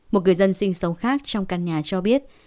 một người dân sinh sống khác trong căn nhà cho biết